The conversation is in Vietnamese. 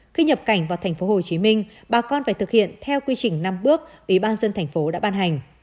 khi nhập cảnh vào tp hcm bà con phải thực hiện theo quy trình năm bước ủy ban dân thành phố đã ban hành